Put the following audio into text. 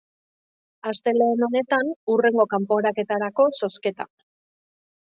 Astelehen honetan, hurrengo kanporaketarako zozketa.